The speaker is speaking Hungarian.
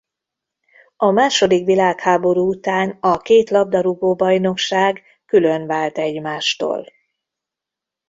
A második világháború után a két labdarúgó bajnokság különvált egymástól.